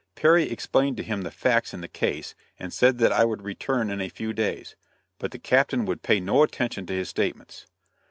Perry explained to him the facts in the case and said that I would return in a few days; but the captain would pay no attention to his statements.